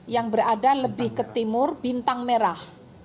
yang berada lebih ke timur bintang merah